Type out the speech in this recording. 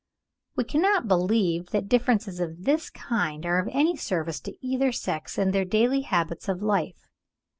70),—we cannot believe that differences of this kind are of any service to either sex in their daily habits of life.